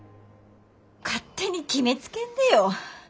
勝手に決めつけんでよ。